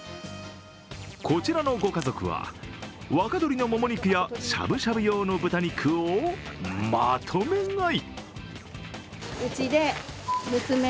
こちらのご家族は、若鶏のもも肉やしゃぶしゃぶ用の豚肉をまとめ買い。